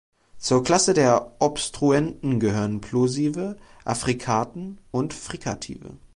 Zur Klasse der Obstruenten gehören Plosive, Affrikaten und Frikative.